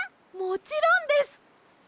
もちろんです！